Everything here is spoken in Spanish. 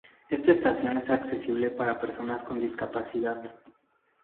Esta estación es accesible para personas con discapacidad.